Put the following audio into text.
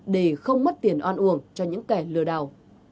để không mất tiền oan uổng cho những kẻ lừa đảo